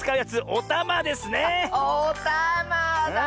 おたまだ！